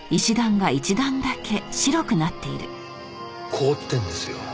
凍ってるんですよ。